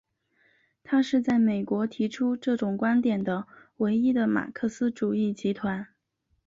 它是在美国提出这种观点的唯一的马克思主义集团。